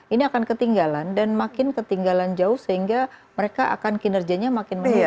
ini akan ketinggalan dan makin ketinggalan jauh sehingga mereka akan kinerjanya makin menurun